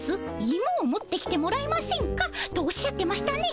いもを持ってきてもらえませんか？」とおっしゃってましたね。